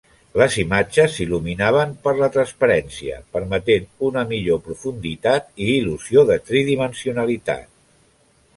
Les imatges s'il·luminaven per a la transparència, permetent una millor profunditat i il·lusió de tridimensionalitat.